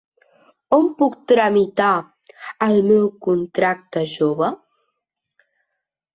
On puc tramitar el meu contracte jove?